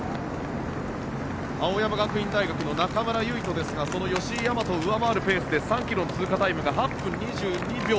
青山学院大学の中村唯翔ですがその吉居大和を上回るペースで３ｋｍの通過タイムが８分２２秒